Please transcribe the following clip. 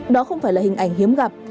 đó không phải là hình ảnh hiếm gặp